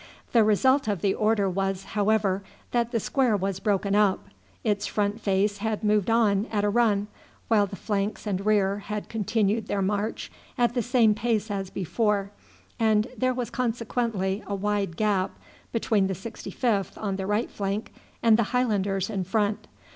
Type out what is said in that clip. The result of the order was, however, that the square was broken up. Its front face had moved on at a run, while the flanks and rear had continued their march at the same pace as before, and there was consequently a wide gap between the 65th on the right flank and the Highlanders in front.